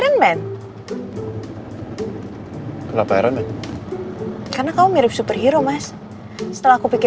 nanti mama sama papa kesini lagi ya